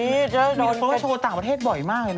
นี่โพสต์โชว์ต่างประเทศบ่อยมากเลยนะ